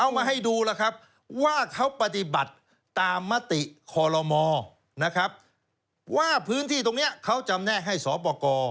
เอามาให้ดูว่าเขาปฏิบัติตามมติคมว่าพื้นที่ตรงนี้เขาจำแน่ให้สป